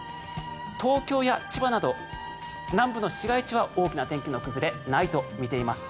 東京や千葉など南部の市街地は大きな天気の崩れはないとみています。